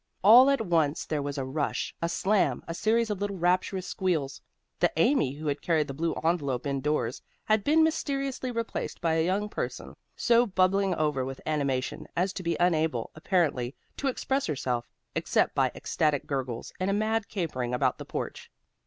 All at once there was a rush, a slam, a series of little rapturous squeals. The Amy who had carried the blue envelope indoors, had been mysteriously replaced by a young person so bubbling over with animation as to be unable, apparently, to express herself, except by ecstatic gurgles and a mad capering about the porch.